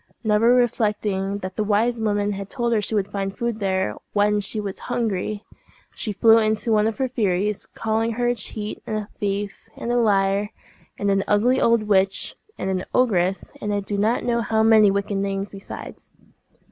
Never reflecting that the wise woman had told her she would find food there when she was hungry, she flew into one of her furies, calling her a cheat, and a thief, and a liar, and an ugly old witch, and an ogress, and I do not know how many wicked names besides.